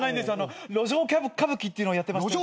路上きゃぶ歌舞伎っていうのをやってまして。